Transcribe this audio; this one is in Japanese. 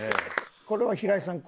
これは平井さん